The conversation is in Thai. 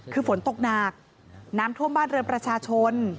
คือฝนตกหนักน้ำท่วมบ้านเรือนประชาชน